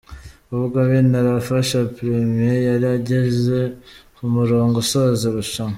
Ubwo Manirafasha Premien yari ageze ku murongo usoza irushanwa.